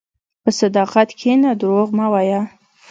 په صداقت کښېنه، دروغ مه وایې.